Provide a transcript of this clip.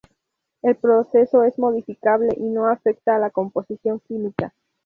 El proceso es modificable y no afecta a la composición química.